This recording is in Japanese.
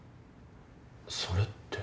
それって。